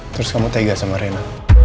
terus kamu tega sama reno